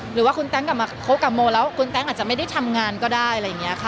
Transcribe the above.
หรือว่าคุณแต๊งกลับมาคบกับโมแล้วคุณแต๊งอาจจะไม่ได้ทำงานก็ได้อะไรอย่างนี้ค่ะ